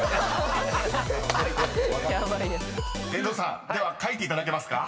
［遠藤さんでは書いていただけますか？］